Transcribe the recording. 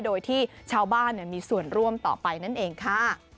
โดยที่ชาวบ้านมีส่วนร่วมต่อไปนั่นเองค่ะ